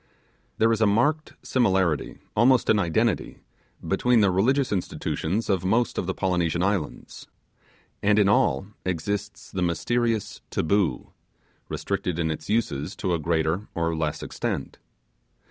There is a marked similarity, almost an identity, between the religious institutions of most of the Polynesian islands, and in all exists the mysterious 'Taboo', restricted in its uses to a greater or less extent.